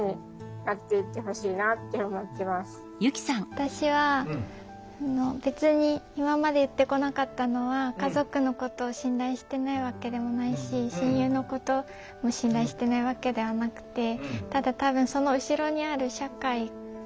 私は別に今まで言ってこなかったのは家族のことを信頼してないわけでもないし親友のことも信頼してないわけではなくて。